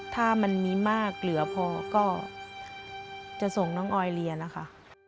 ถ้ามันมีมากเหลือพอก็จะส่งน้องออยเรียนนะคะ